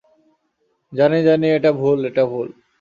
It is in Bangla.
জানি, জানি, এটা ভুল, এটা ভুল।